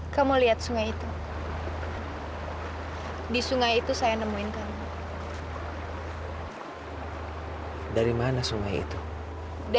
sampai jumpa di video selanjutnya